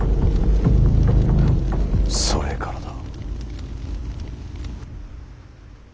それからだ。